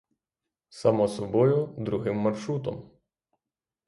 Само собою — другим маршрутом.